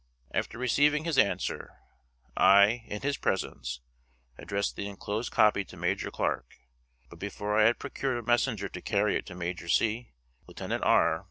After receiving his answer, I, in his presence, addressed the enclosed copy to Major Clark; but before I had procured a messenger to carry it to Major C., Lieutenant R.